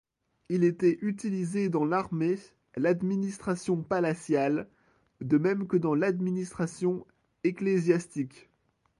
Il était utilisé dans l’armée, l’administration palatiale, de même que dans l’administration ecclésiastique.